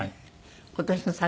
今年の桜